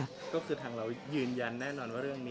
ก็คือทางเรายืนยันแน่นอนว่าเรื่องนี้